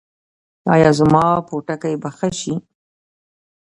ایا زما پوټکی به ښه شي؟